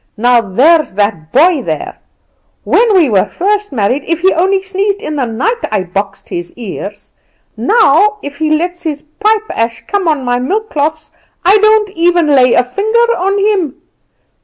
Now there's that boy there, when we were first married if he only sneezed in the night I boxed his ears; now if he lets his pipe ash come on my milk cloths I don't think of laying a finger on him.